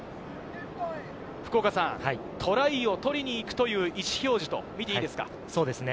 福岡さん、トライを取りに行くという意思表示と見ていいですか？